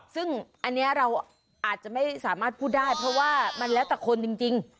ซึ่งอันนี้เราอาจจะไม่สามารถพูดได้เพราะว่ามันแล้วแต่คนจริง